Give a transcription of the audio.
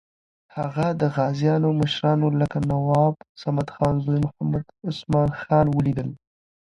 هغه د غازیانو مشرانو لکه نواب صمدخان زوی محمد عثمان خان ولیدل.